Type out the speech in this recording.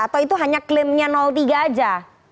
atau itu hanya klaimnya tiga aja